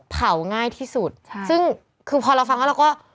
เผาง่ายที่สุดใช่ซึ่งคือพอเราฟังแล้วเราก็